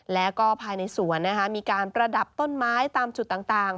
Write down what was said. แล้วก็ภายในสวนมีการประดับต้นไม้ตามจุดต่าง